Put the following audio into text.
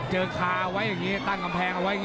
เจอคาเอาไว้แบบนี้ตั้งกำแพงเอาไว้